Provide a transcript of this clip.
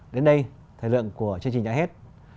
đến đây thời lượng của chương trình đã hết